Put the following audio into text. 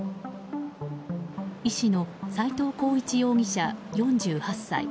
医師の斎藤浩一容疑者、４８歳。